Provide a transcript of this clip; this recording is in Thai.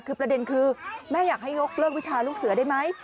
คือประเด็นคือแม่อยากให้ยกเลิกวิชาลูกเสือได้ไหม